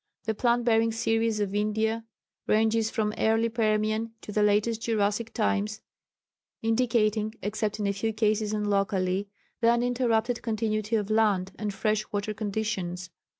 The plant bearing series of India ranges from early Permian to the latest Jurassic times, indicating (except in a few cases and locally) the uninterrupted continuity of land and fresh water conditions.